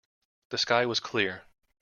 The sky was clear.